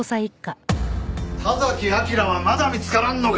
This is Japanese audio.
田崎明良はまだ見つからんのか！